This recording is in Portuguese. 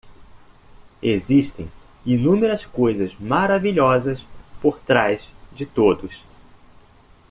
Existem inúmeras coisas maravilhosas por trás de todos.